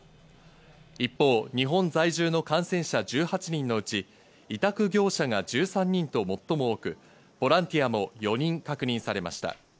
一方、日本在住の感染者１８人のうち、委託業者が１３人と最も多く、ボランティアも４人確認されました。